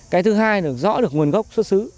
cái thứ hai là rõ được nguồn gốc xuất xứ